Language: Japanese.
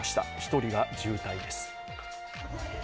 １人が重体です。